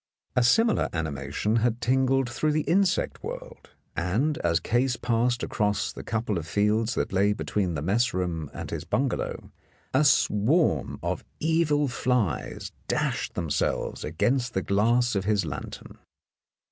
A similar animation had tingled through the insect world, and as Case passed across the couple of fields that lay between the mess room and his bungalow, a swarm of evil flies dashed themselves against the glass of his lantern.